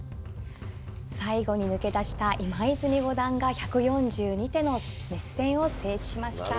最後に抜け出した今泉五段が１４２手の熱戦を制しました。